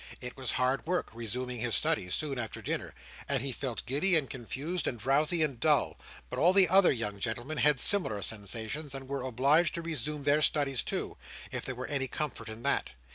It was hard work, resuming his studies, soon after dinner; and he felt giddy and confused and drowsy and dull. But all the other young gentlemen had similar sensations, and were obliged to resume their studies too, if there were any comfort in that.